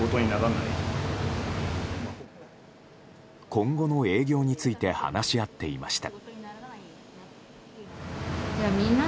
今後の営業について話し合っていました。